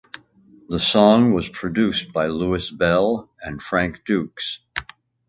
The song was produced by Louis Bell and Frank Dukes.